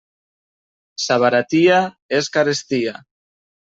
Sa baratia és carestia.